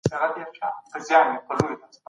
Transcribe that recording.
ټولنپوهان د نن ورځي پېچلي ټولني څېړي.